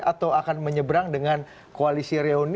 atau akan menyeberang dengan kualisi reunif